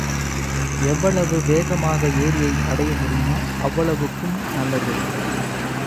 எவ்வளவு வேகமாக எரியை அடைய முடியுமோ அவ்வளவுக்கும் நல்லது.